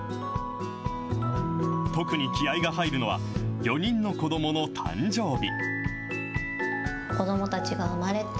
特に気合いが入るのは、４人の子どもの誕生日。